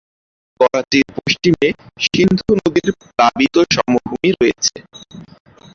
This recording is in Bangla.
করাচির পশ্চিমে সিন্ধু নদীর প্লাবিত সমভূমি রয়েছে।